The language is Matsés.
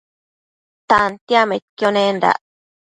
Tantiacmaidquio nendac